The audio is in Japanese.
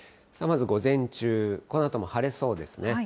まず午前中、このあとも晴れそうですね。